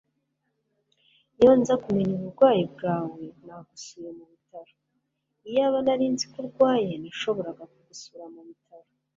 iyo nza kumenya uburwayi bwawe, nagusuye mubitaro. iyaba nari nzi ko urwaye, nashoboraga kugusura mubitaro